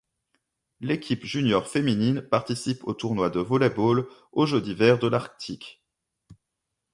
L'équipe junior féminine participe au tournoi de volley-ball aux Jeux d'hiver de l'Arctique.